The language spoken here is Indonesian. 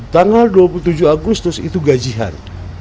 tanggal dua puluh tujuh agustus itu gajian